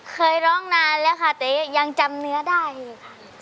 เคยร้องนานแล้วค่ะแต่ยังจำเนื้อได้อีกค่ะ